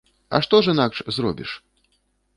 А што ж інакш зробіш?